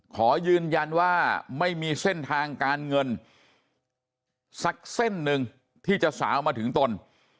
ขอยืนยันว่าไม่มีเส้นทางการเงินสักเส้นหนึ่งที่จะสาวมาถึงตน